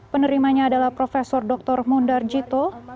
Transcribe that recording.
penerimanya adalah prof dr mundar jito